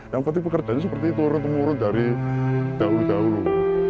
yang penting pekerjaannya seperti itu orang orang dari dahulu dahulu